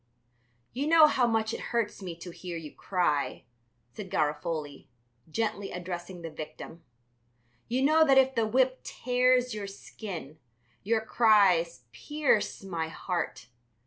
"You know how much it hurts me to hear you cry," said Garofoli, gently, addressing the victim. "You know that if the whip tears your skin, your cries pierce my heart.